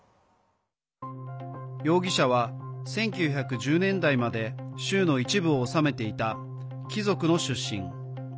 容疑者は、１９１０年代まで州の一部を治めていた貴族の出身。